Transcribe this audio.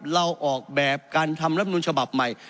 เราออกแบบการทำลำนูนฉบับใหม่